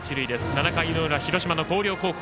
７回の裏、広島の広陵高校。